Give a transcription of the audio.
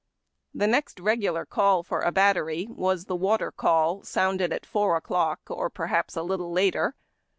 The next regular call for a battery was Wate? Call, sounded at four o'clock, or perhaps a little later.